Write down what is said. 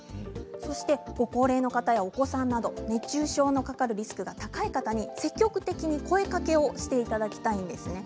そして、ご高齢の方やお子さんなど熱中症のかかるリスクが高い方に積極的に声かけをしていただきたいんです。